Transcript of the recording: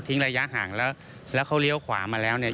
ระยะห่างแล้วแล้วเขาเลี้ยวขวามาแล้วเนี่ย